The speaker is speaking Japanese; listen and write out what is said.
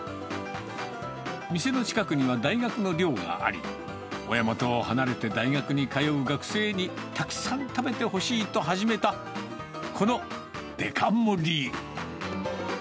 店の近くには大学の寮があり、親元を離れて大学に通う学生に、たくさん食べてほしいと始めた、このデカ盛り。